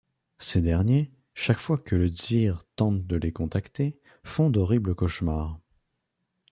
Ces derniers, chaque fois que le Vsiir tente de les contacter, font d'horribles cauchemars.